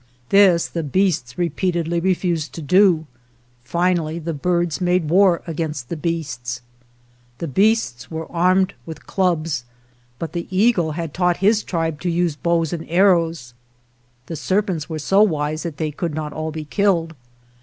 This the beasts repeatedly refused to do. Finally the birds made war against the beasts. The beasts were armed with clubs, but the eagle had taught his tribe to use bows and arrows. The serpents were so wise that they could not all be killed.